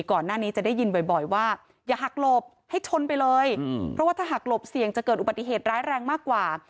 ก่อนหน้านี้จะได้ยินบ่อยว่าอย่าหักหลบให้ชนไปเลยเพราะว่าถ้าหักหลบเสี่ยงจะเกิดอุบัติเหตุร้ายแรงมากกว่า